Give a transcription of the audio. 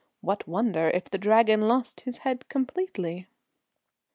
What wonder if the Dragon lost his head completely?